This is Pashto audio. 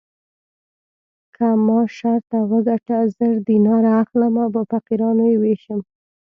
که ما شرط وګټه زر دیناره اخلم او په فقیرانو یې وېشم.